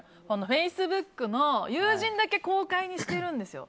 フェイスブックの友人だけ公開にしてるんですよ。